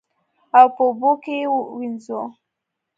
او په اوبو کې یې ووینځو.